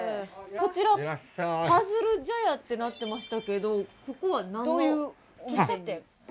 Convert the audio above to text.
こちらパズル茶屋ってなってましたけどここは何のお店に？